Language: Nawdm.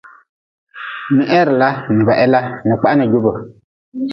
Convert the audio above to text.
Ni heri la ni ba he la ni ka juba.